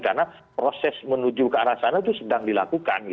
karena proses menuju ke arah sana itu sedang dilakukan